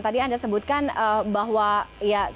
tadi anda sebutkan bahwa ya salah satunya di upload